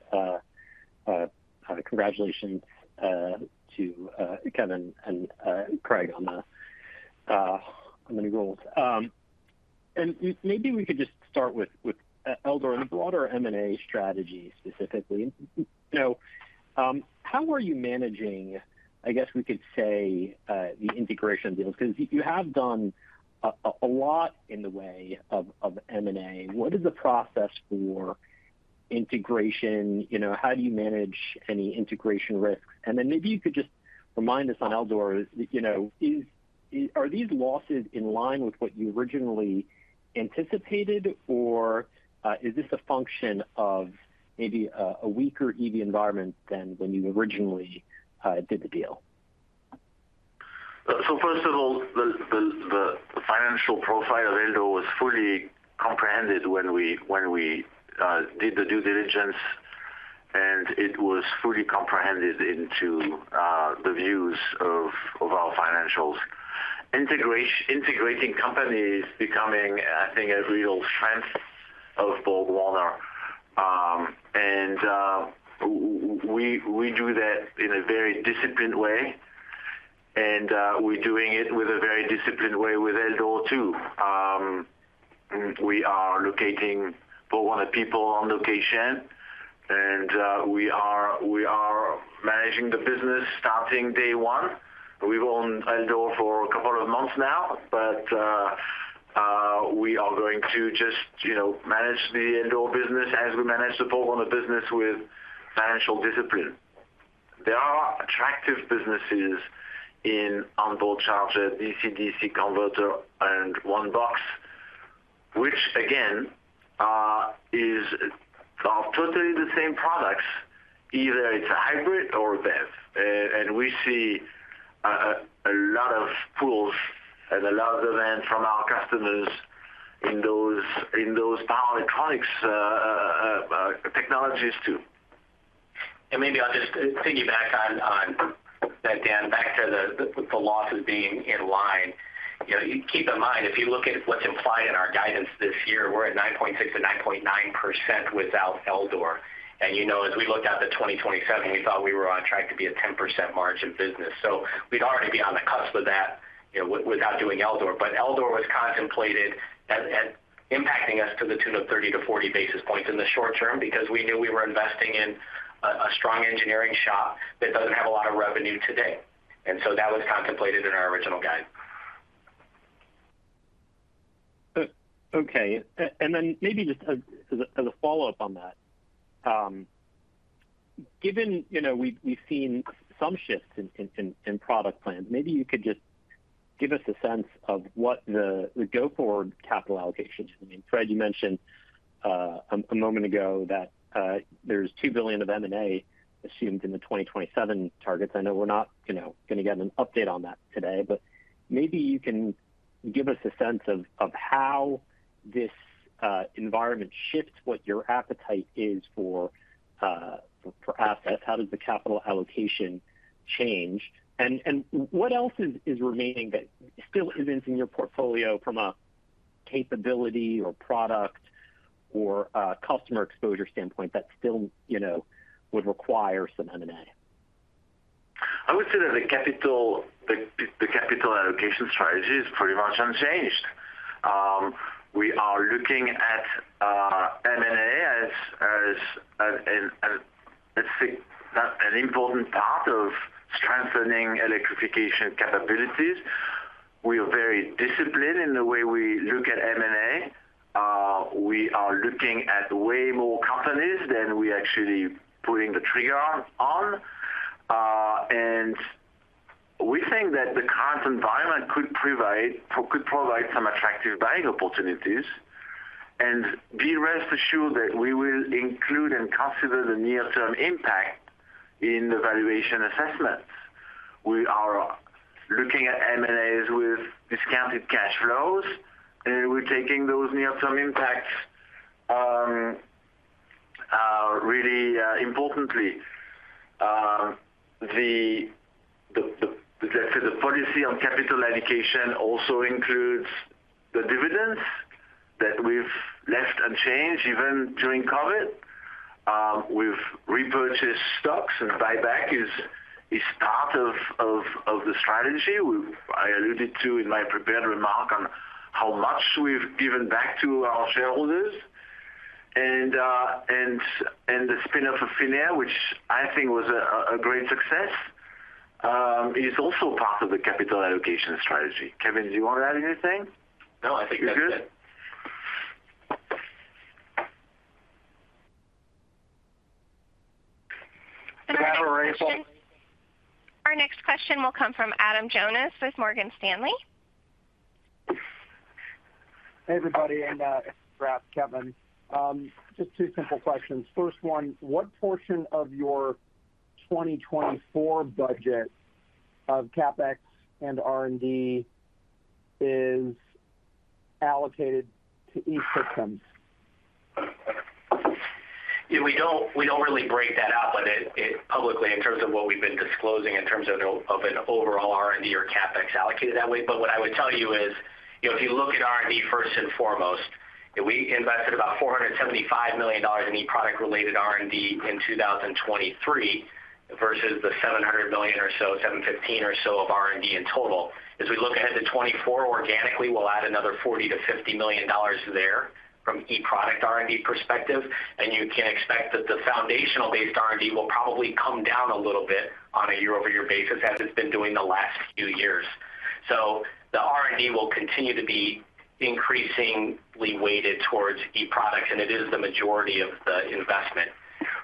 congratulations to Kevin and Craig on the new roles. Maybe we could just start with Eldor and the broader M&A strategy specifically. So, how are you managing, I guess we could say, the integration deals? Because you have done a lot in the way of M&A. What is the process for integration? You know, how do you manage any integration risks? And then maybe you could just remind us on Eldor, you know, are these losses in line with what you originally anticipated, or is this a function of maybe a weaker EV environment than when you originally did the deal? So first of all, the financial profile of Eldor was fully comprehended when we did the due diligence, and it was fully comprehended into the views of our financials. Integrating companies is becoming, I think, a real strength of BorgWarner. We do that in a very disciplined way, and we're doing it with a very disciplined way with Eldor, too. We are locating BorgWarner people on location, and we are managing the business starting day one. We've owned Eldor for a couple of months now, but we are going to just, you know, manage the Eldor business as we manage the BorgWarner business with financial discipline. There are attractive businesses in on-board charger, DC-DC converter, and one-box, which again are totally the same products, either it's a hybrid or a BEV. And we see a lot of pulls and a lot of demand from our customers in those power electronics technologies, too. Maybe I'll just piggyback on that, Dan, back to the losses being in line. You know, keep in mind, if you look at what's implied in our guidance this year, we're at 9.6%-9.9% without Eldor. And you know, as we looked out to 2027, we thought we were on track to be a 10% margin business. So we'd already be on the cusp of that, you know, without doing Eldor. But Eldor was contemplated as impacting us to the tune of 30-40 basis points in the short term, because we knew we were investing in a strong engineering shop that doesn't have a lot of revenue today, and so that was contemplated in our original guide. Okay. And then maybe just as a follow-up on that, given, you know, we've seen some shifts in product plans, maybe you could just give us a sense of what the go-forward capital allocations. I mean, Fred, you mentioned a moment ago that there's $2 billion of M&A assumed in the 2027 targets. I know we're not, you know, gonna get an update on that today, but maybe you can give us a sense of how this environment shifts what your appetite is for assets. How does the capital allocation change? And what else is remaining that still isn't in your portfolio from a capability or product or a customer exposure standpoint that still, you know, would require some M&A? I would say that the capital allocation strategy is pretty much unchanged. We are looking at M&A as an important part of strengthening electrification capabilities. We are very disciplined in the way we look at M&A. We are looking at way more companies than we actually pull the trigger on. And we think that the current environment could provide some attractive buying opportunities, and rest assured that we will include and consider the near-term impact in the valuation assessments. We are looking at M&As with discounted cash flows, and we're taking those near-term impacts really importantly. Let's say, the policy on capital allocation also includes the dividends that we've left unchanged even during COVID. We've repurchased stocks, and buyback is part of the strategy. I alluded to in my prepared remark on how much we've given back to our shareholders and the spin-off of PHINIA, which I think was a great success. It's also part of the capital allocation strategy. Kevin, do you want to add anything? No, I think that's it. You're good? Our next question will come from Adam Jonas with Morgan Stanley. Hey, everybody, and congrats, Kevin. Just two simple questions. First one, what portion of your 2024 budget of CapEx and R&D is allocated to E-Systems? Yeah, we don't, we don't really break that out, but it, it publicly, in terms of what we've been disclosing in terms of, of an overall R&D or CapEx allocated that way. But what I would tell you is, you know, if you look at R&D first and foremost, we invested about $475 million in eProduct related R&D in 2023, versus the $700 million or so, $715 million or so of R&D in total. As we look ahead to 2024, organically, we'll add another $40 million-$50 million there from eProduct R&D perspective. And you can expect that the foundational-based R&D will probably come down a little bit on a year-over-year basis, as it's been doing the last few years. So the R&D will continue to be increasingly weighted towards eProduct, and it is the majority of the investment.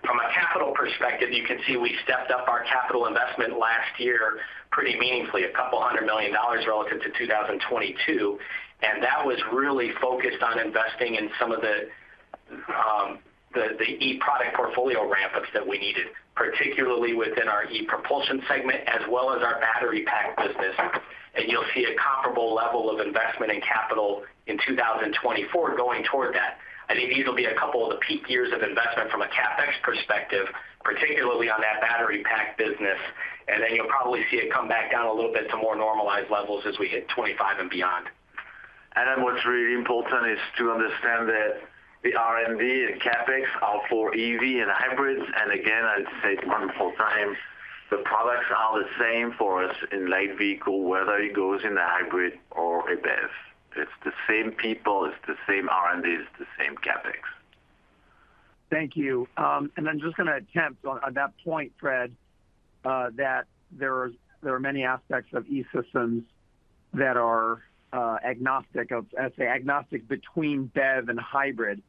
From a capital perspective, you can see we stepped up our capital investment last year pretty meaningfully, $200 million relative to 2022, and that was really focused on investing in some of the eProduct portfolio ramp-ups that we needed, particularly within our ePropulsion segment, as well as our battery pack business. You'll see a comparable level of investment in capital in 2024 going toward that. I think these will be a couple of the peak years of investment from a CapEx perspective, particularly on that battery pack business, and then you'll probably see it come back down a little bit to more normalized levels as we hit 25 and beyond. And then what's really important is to understand that the R&D and CapEx are for EV and hybrids. And again, I'd say multiple times, the products are the same for us in light vehicle, whether it goes in a hybrid or a BEV. It's the same people, it's the same R&D, it's the same CapEx. Thank you. And I'm just going to attempt on that point, Fred, that there are many aspects of E-Systems that are agnostic of—let's say, agnostic between BEV and hybrid.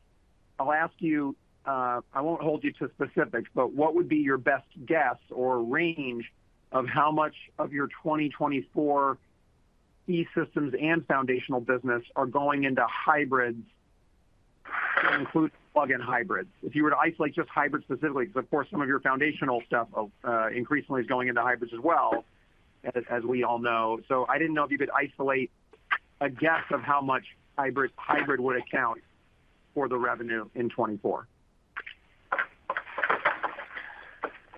I'll ask you, I won't hold you to specifics, but what would be your best guess or range of how much of your 2024 E-Systems and foundational business are going into hybrids to include plug-in hybrids? If you were to isolate just hybrids specifically, because, of course, some of your foundational stuff increasingly is going into hybrids as well, as we all know. So I didn't know if you could isolate a guess of how much hybrid would account for the revenue in 2024.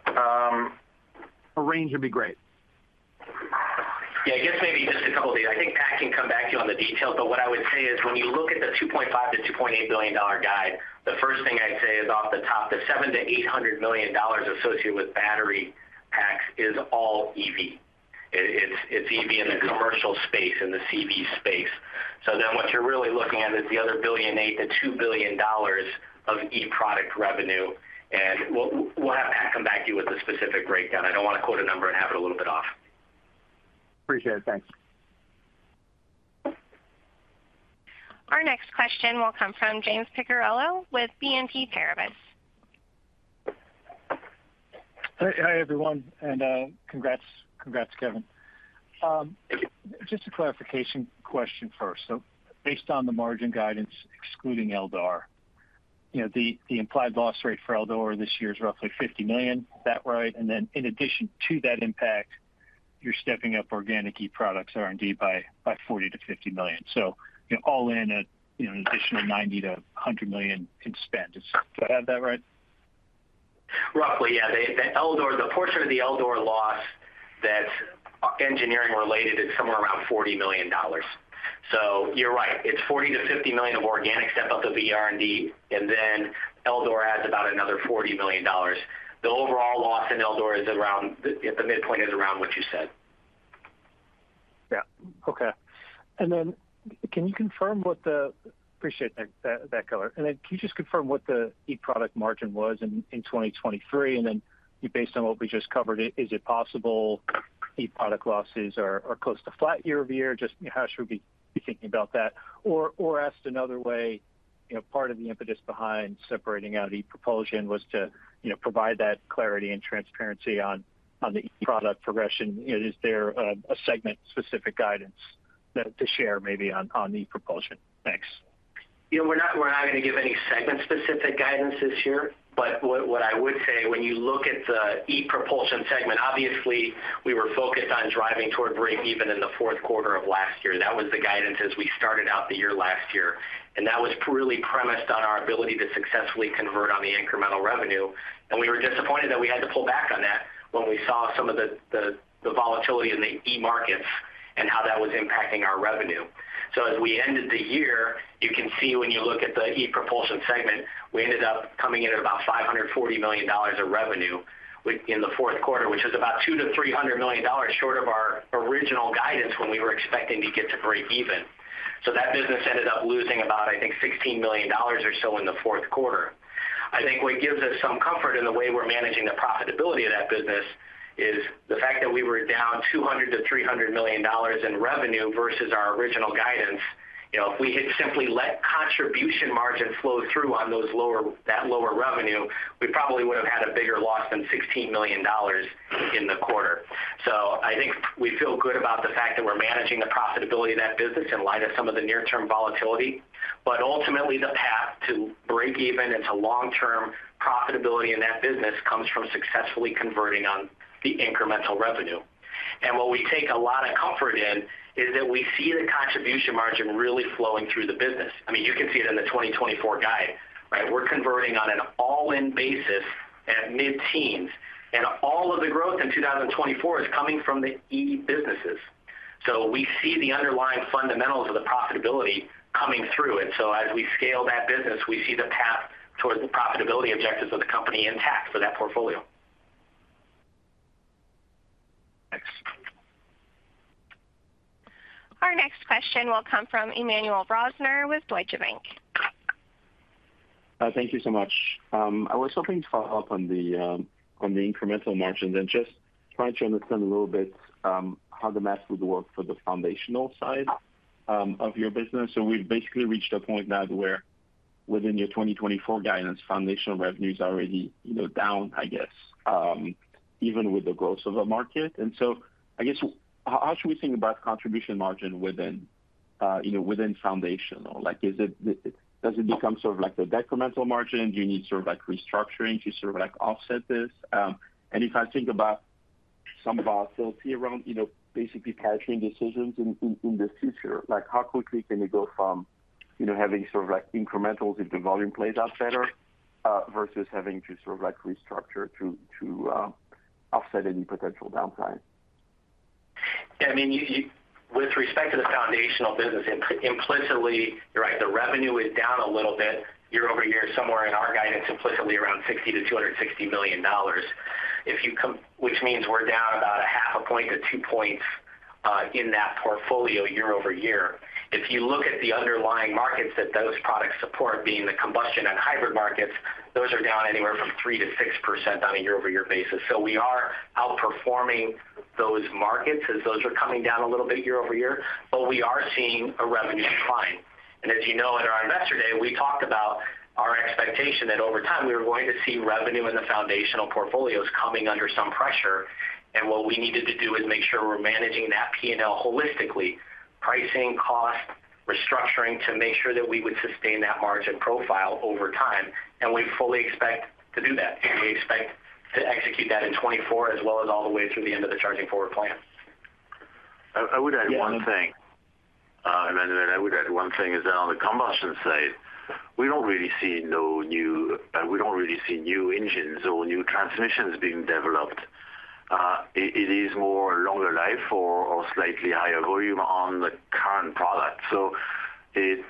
Uhmm. A range would be great. Yeah, I guess maybe just a couple of these. I think Pat can come back to you on the details, but what I would say is, when you look at the $2.5 billion-$2.8 billion guide, the first thing I'd say is off the top, the $700 million-$800 million associated with battery packs is all EV. It, it's, it's EV in the commercial space, in the CV space. So then what you're really looking at is the other $1.8 billion-$2 billion of eProduct revenue, and we'll, we'll have Pat come back to you with a specific breakdown. I don't want to quote a number and have it a little bit off. Appreciate it. Thanks. Our next question will come from James Picariello with BNP Paribas. Hi, everyone, and congrats. Congrats, Kevin. Just a clarification question first. So based on the margin guidance, excluding Eldor, you know, the implied loss rate for Eldor this year is roughly $50 million. Is that right? And then in addition to that impact, you're stepping up organic eProducts R&D by $40 million-$50 million. So all in, you know, an additional $90 million-$100 million in spend. Do I have that right? Roughly, yeah. The Eldor—the portion of the Eldor loss that's engineering related is somewhere around $40 million. So you're right, it's $40 million-$50 million of organic step up of the R&D, and then Eldor adds about another $40 million. The overall loss in Eldor is around—the midpoint is around what you said. Yeah. Okay. And then can you confirm what the... Appreciate that, that color. And then can you just confirm what the eProduct margin was in, in 2023? And then based on what we just covered, is it possible eProduct losses are, are close to flat year-over-year? Just how should we be thinking about that? Or, or asked another way, you know, part of the impetus behind separating out ePropulsion was to, you know, provide that clarity and transparency on, on the eProduct progression. Is there a, a segment-specific guidance that to share maybe on, on ePropulsion? Thanks. You know, we're not going to give any segment-specific guidance this year, but what I would say, when you look at the ePropulsion segment, obviously, we were focused on driving toward breakeven in the 4th quarter of last year. That was the guidance as we started out the year last year, and that was purely premised on our ability to successfully convert on the incremental revenue. And we were disappointed that we had to pull back on that when we saw some of the volatility in the e-markets and how that was impacting our revenue. So as we ended the year, you can see when you look at the ePropulsion segment, we ended up coming in at about $540 million of revenue in the 4th quarter, which is about $200 million-$300 million short of our original guidance when we were expecting to get to breakeven. So that business ended up losing about, I think, $16 million or so in the 4th quarter. I think what gives us some comfort in the way we're managing the profitability of that business is the fact that we were down $200 million-$300 million in revenue versus our original guidance. You know, if we had simply let contribution margin flow through on those lower, that lower revenue, we probably would have had a bigger loss than $16 million in the quarter. So I think we feel good about the fact that we're managing the profitability of that business in light of some of the near-term volatility. But ultimately, the path to break even into long term profitability in that business comes from successfully converting on the incremental revenue. And what we take a lot of comfort in is that we see the contribution margin really flowing through the business. I mean, you can see it in the 2024 guide, right? We're converting on an all-in basis at mid-teens, and all of the growth in 2024 is coming from the e-businesses. So we see the underlying fundamentals of the profitability coming through, and so as we scale that business, we see the path towards the profitability objectives of the company intact for that portfolio. Thanks. Our next question will come from Emmanuel Rosner with Deutsche Bank. Thank you so much. I was hoping to follow up on the, on the incremental margins and just try to understand a little bit, how the math would work for the foundational side, of your business. So we've basically reached a point now where within your 2024 guidance, foundational revenue is already, you know, down, I guess, even with the growth of the market. And so I guess, how, how should we think about contribution margin within, you know, within foundational? Like, is it-- does it become sort of like the decremental margin? Do you need sort of like restructuring to sort of, like, offset this? And if I think about some of our thoughts here around, you know, basically cashing decisions in the future, like how quickly can you go from, you know, having sort of like incrementals if the volume plays out better versus having to sort of like restructure to offset any potential downside? I mean, you—with respect to the foundational business, implicitly, you're right, the revenue is down a little bit year-over-year, somewhere in our guidance, implicitly around $60 million-$260 million. If you—which means we're down about 0.5-2 points in that portfolio year-over-year. If you look at the underlying markets that those products support, being the combustion and hybrid markets, those are down anywhere from 3%-6% on a year-over-year basis. So we are outperforming those markets as those are coming down a little bit year-over-year, but we are seeing a revenue decline. As you know, at our Investor Day, we talked about our expectation that over time, we were going to see revenue in the foundational portfolios coming under some pressure, and what we needed to do is make sure we're managing that P&L holistically, pricing, cost, restructuring, to make sure that we would sustain that margin profile over time, and we fully expect to do that. We expect to execute that in 2024 as well as all the way through the end of the Charging Forward plan. I would add one thing. And then I would add one thing is that on the combustion side, we don't really see no new, we don't really see new engines or new transmissions being developed. It is more longer life or slightly higher volume on the current product. So it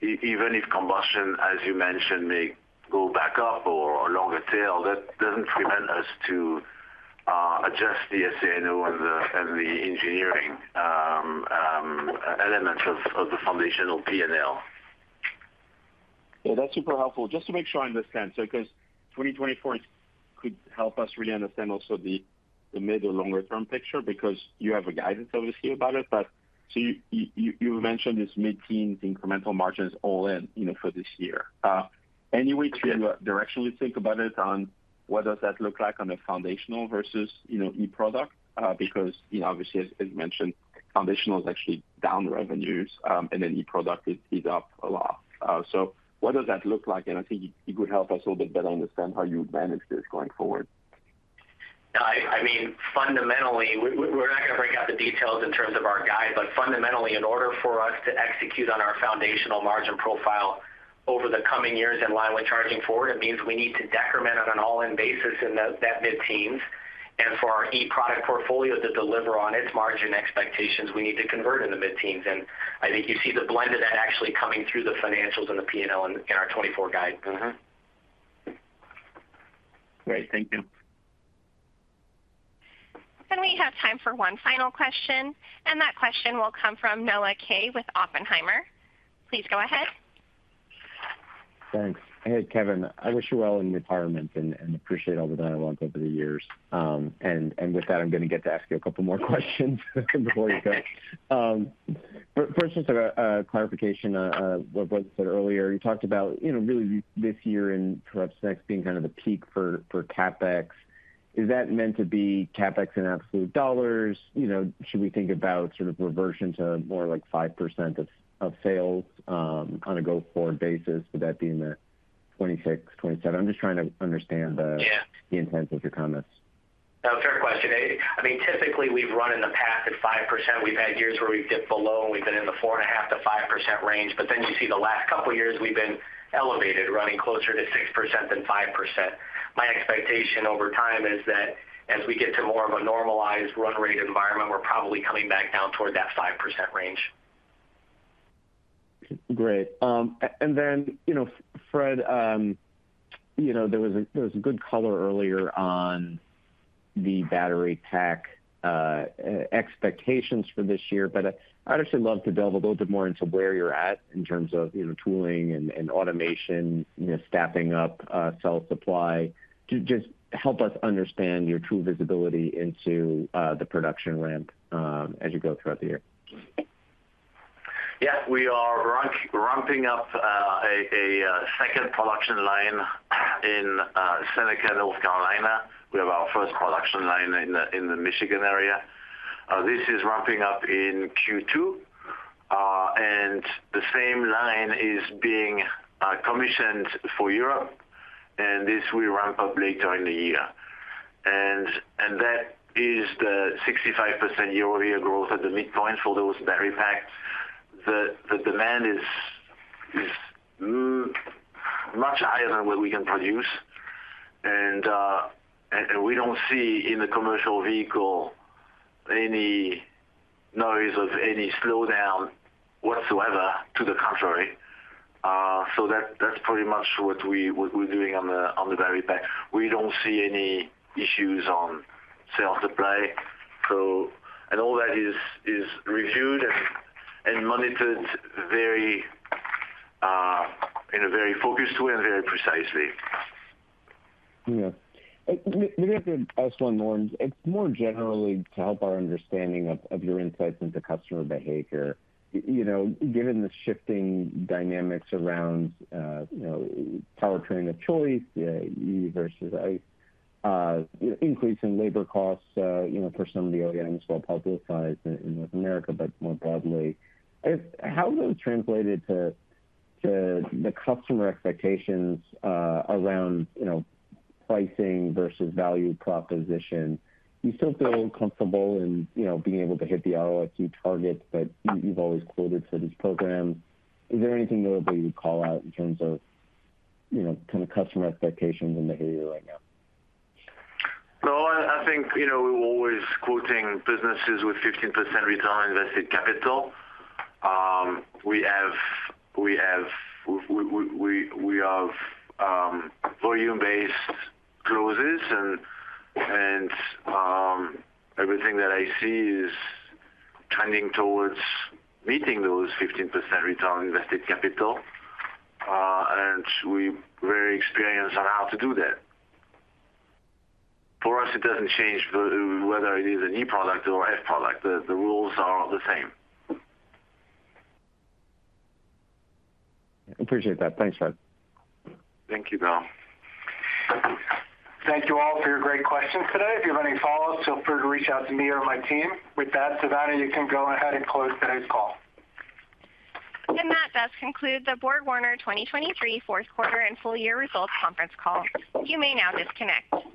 even if combustion, as you mentioned, may go back up or longer tail, that doesn't prevent us to adjust the SG&A and the engineering elements of the foundational P&L. Yeah, that's super helpful. Just to make sure I understand, so because 2024 could help us really understand also the mid or longer-term picture, because you have a guidance, obviously, about it, but so you mentioned this mid-teen incremental margins all in, you know, for this year. Any way to directionally think about it on what does that look like on a foundational versus, you know, eProduct? Because, you know, obviously, as mentioned, foundational is actually down revenues, and then eProduct is up a lot. So what does that look like? And I think it would help us a little bit better understand how you manage this going forward. No, I mean, fundamentally, we're not going to break out the details in terms of our guide, but fundamentally, in order for us to execute on our foundational margin profile over the coming years in line with Charging Forward, it means we need to decrement on an all-in basis in the mid-teens. And for our eProduct portfolio to deliver on its margin expectations, we need to convert in the mid-teens. And I think you see the blend of that actually coming through the financials and the P&L in our 2024 guide. Mm-hmm. Great. Thank you. We have time for one final question, and that question will come from Noah Kaye with Oppenheimer. Please go ahead. Thanks. Hey, Kevin, I wish you well in retirement and appreciate all the done a lot over the years. And with that, I'm going to get to ask you a couple more questions before you go. But first, just a clarification, what was said earlier. You talked about, you know, really this year and perhaps next being kind of the peak for CapEx. Is that meant to be CapEx in absolute dollars? You know, should we think about sort of reversion to more like 5% of sales, on a go-forward basis, with that being the 2026, 2027? I'm just trying to understand the- Yeah. -the intent of your comments. No, fair question. I mean, typically, we've run in the past at 5%. We've had years where we've dipped below, and we've been in the 4.5%-5% range, but then you see the last couple of years, we've been elevated, running closer to 6% than 5%. My expectation over time is that as we get to more of a normalized run rate environment, we're probably coming back down toward that 5% range. Great. And then, you know, Fred, you know, there was a good color earlier on the battery pack expectations for this year, but I'd actually love to delve a little bit more into where you're at in terms of, you know, tooling and automation, you know, staffing up, cell supply. To just help us understand your true visibility into the production ramp as you go throughout the year. Yeah, we are ramping up a second production line in Seneca, South Carolina. We have our first production line in the Michigan area. This is ramping up in Q2, and the same line is being commissioned for Europe, and this will ramp up later in the year. And that is the 65% year-over-year growth at the midpoint for those battery packs. The demand is much higher than what we can produce, and we don't see in the commercial vehicle any noise of any slowdown whatsoever, to the contrary. So that's pretty much what we're doing on the battery pack. We don't see any issues on cell supply, so, all that is is reviewed and monitored very, in a very focused way and very precisely. Yeah. Let me ask one more. It's more generally to help our understanding of your insights into customer behavior. You know, given the shifting dynamics around power train of choice, E versus I, increase in labor costs, you know, for some of the OEMs, well-publicized in North America, but more broadly, how has it translated to the customer expectations around pricing versus value proposition? Do you still feel comfortable in being able to hit the ROIC targets that you've always quoted for this program? Is there anything notable you'd call out in terms of kind of customer expectations and behavior right now? No, I think, you know, we're always quoting businesses with 15% return on invested capital. We have volume-based clauses, and everything that I see is trending towards meeting those 15% return on invested capital, and we're very experienced on how to do that. For us, it doesn't change whether it is an roduct or F product. The rules are the same. Appreciate that. Thanks, Fred. Thank you, Bill. Thank you all for your great questions today. If you have any follows, feel free to reach out to me or my team. With that, Savannah, you can go ahead and close today's call. That does conclude the BorgWarner 2023 4th quarter and full year results conference call. You may now disconnect.